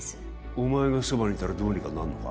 お前がそばにいたらどうにかなるのか？